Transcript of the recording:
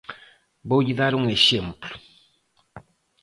Voulle dar un exemplo.